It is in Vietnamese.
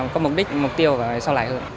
có mục đích mục tiêu và sao lại hơn